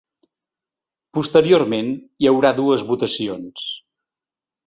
Posteriorment hi haurà dues votacions.